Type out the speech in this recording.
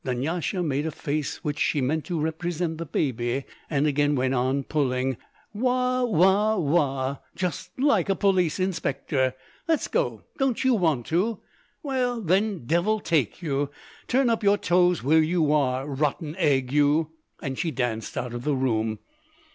Dunyasha made a face which she meant to represent the baby, and again went on puling: ""Wa, wa, wa!" Just like a police inspector! Let's go. Don't you want to?—well, then devil take you! Turn up your toes where you are, rotten egg, you!" And she danced out of the room.